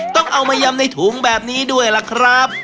ต้องเอามายำในถุงแบบนี้ด้วยล่ะครับ